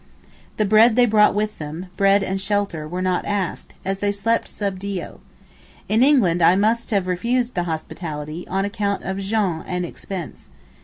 The bread they brought with them, 'bread and shelter' were not asked, as they slept sub dio. In England I must have refused the hospitality, on account of gêne and expense.